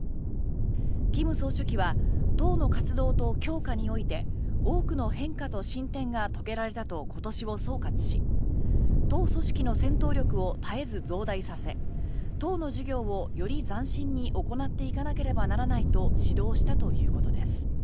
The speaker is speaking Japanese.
金総書記は党の活動と強化において多くの変化と進展が遂げられたと今年を総括し党組織の戦闘力を絶えず増大させ党の事業を、より斬新に行っていかなければならないと指導したということです。